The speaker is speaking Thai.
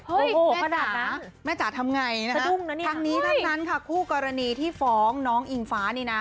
เฮ้ยแม่จ๋าแม่จ๋าทำไงนะครับทางนี้ทางนั้นค่ะคู่กรณีที่ฟ้องน้องอิงฟ้านี่นะ